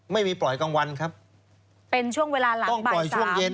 ไม่มีปล่อยกลางวันครับเป็นช่วงเวลาหลังปล่อยช่วงเย็น